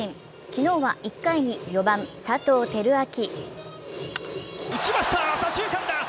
昨日は１回に４番・佐藤輝明。